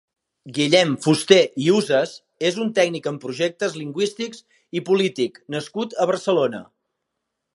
Guillem Fuster i Usas és un tècnic en projectes lingüístics i polític nascut a Barcelona.